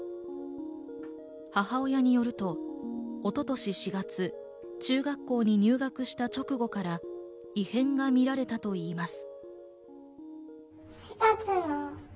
母親によると一昨年４月、中学校に入学した直後から異変が見られたといいます。